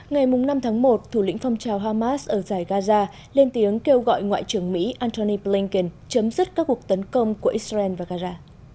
ngày năm tháng một thủ lĩnh phong trào hamas ở giải gaza lên tiếng kêu gọi ngoại trưởng mỹ antony blinken chấm dứt các cuộc tấn công của israel và gaza